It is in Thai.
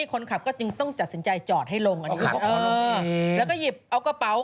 คนขับก็จึงต้องตัดสินใจจอดให้ลงอันนี้แล้วก็หยิบเอากระเป๋า